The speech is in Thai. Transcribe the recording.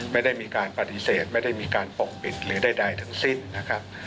ไม่ได้มีการปฏิเสธไม่ได้มีการปกปิดหรือใดทั้งสิ้นนะครับ